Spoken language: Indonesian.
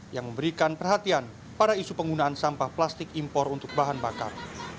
yang memberikan perhatian pada isu penggunaan sampah plastik impor untuk bahan bakar